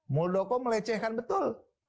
muldoko melecehkan betul